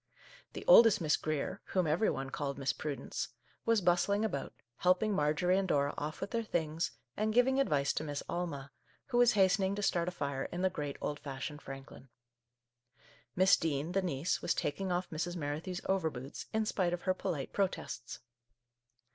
The oldest Miss Grier — whom every one called Miss Prudence — was bustling about, helping Marjorie and Dora off with their things, and giving advice to Miss Alma, who was hastening to start a fire in the great old fashioned Franklin. Miss Dean, the niece, was taking off Mrs. Merrithew's overboots, in spite of her polite protests.